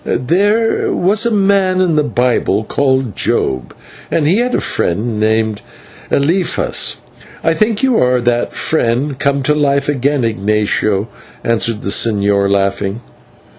"There was a man in the Bible called Job, and he had a friend named Eliphaz I think you are that friend come to life again, Ignatio," answered the señor, laughing.